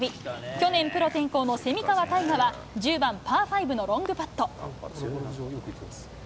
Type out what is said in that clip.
去年、プロ転向の蝉川泰果は、１０番パー５のロングパット。